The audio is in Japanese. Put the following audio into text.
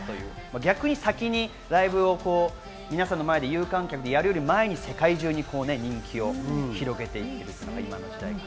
逆に先にライブを皆さんの前で有観客でやるより前に世界中で人気を広げていっています。